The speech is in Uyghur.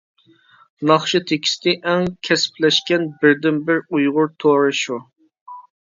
ناخشا تېكىستى ئەڭ كەسىپلەشكەن بىردىنبىر ئۇيغۇر تورى شۇ.